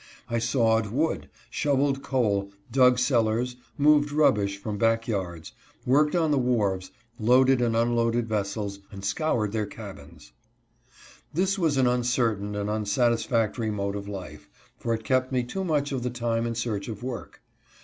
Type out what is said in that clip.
I sawed wood, shoveled coal, dug cellars, moved rubbish from back yards, worked on the wharves, loaded and unloaded ves sels, and scoured their cabins. This was an uncertain and unsatisfactory mode of life, for it kept me too much of the time in search of work.